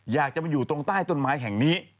อยากจะมาอยู่ตรงใต้ต้นไม้แห่งนี้